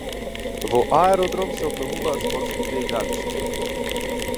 Во Аеродром се обновуваат спортските игралишта